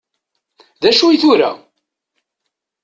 D acu i tura?